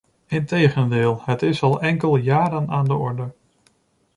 Integendeel, het is al enkel jaren aan de orde.